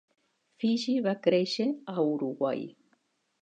Fygi va créixer a Uruguai.